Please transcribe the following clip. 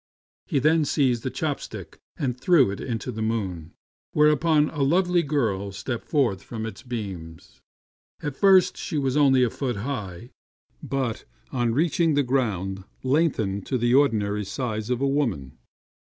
He then seized a chop stick and threw it into the moon, whereupon a lovely girl stepped forth from its beams. At first she was only a foot high, but on reaching the ground lengthened to the ordinary size of women.